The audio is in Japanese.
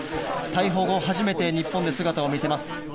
逮捕後初めて日本で姿を見せます。